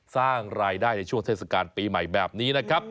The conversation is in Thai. สร้างรายได้ในช่วงเทศกาลปีใหม่แบบนี้นะครับ